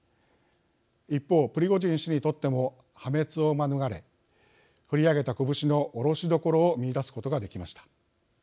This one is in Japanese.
一方プリゴジン氏にとっても破滅を免れ振り上げた拳の下ろしどころを見いだすことができました。